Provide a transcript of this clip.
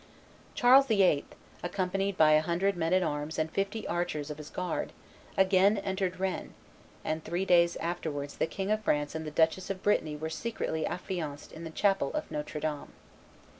Charles VIII., accompanied by a hundred men at arms and fifty archers of his guard, again entered Rennes; and three days afterwards the King of France and the Duchess of Brittany were secretly affianced in the chapel of Notre Dame.